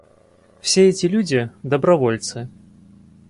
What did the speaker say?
Все эти люди — добровольцы.